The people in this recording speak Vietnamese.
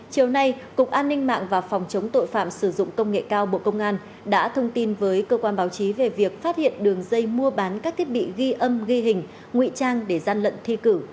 chiều nay cục an ninh mạng và phòng chống tội phạm sử dụng công nghệ cao bộ công an đã thông tin với cơ quan báo chí về việc phát hiện đường dây mua bán các thiết bị ghi âm ghi hình ngụy trang để gian lận thi cử